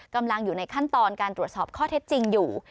กำลังอยู่ในขั้นตอนการตรวจสอบข้อเท็จจริงอยู่